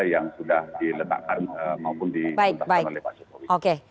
yang sudah diletakkan maupun dituntaskan oleh pak jokowi